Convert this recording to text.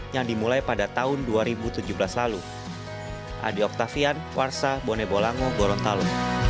yang dimulai pada tahun dua ribu tujuh belas lalu